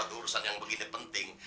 itu urusan yang begini penting